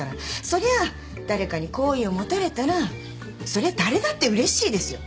そりゃあ誰かに好意を持たれたらそりゃ誰だってうれしいですよ。